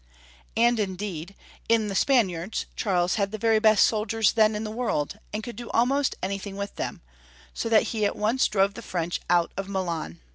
And indeed, in the Spaniards Charles had the very best soldiers then in the world, and could do almost anything with them, so that he at once drove the French out of Milan.